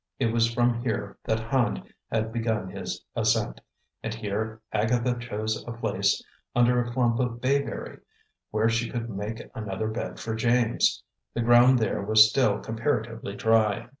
It was from here that Hand had begun his ascent; and here Agatha chose a place under a clump of bayberry, where she could make another bed for James. The ground there was still comparatively dry.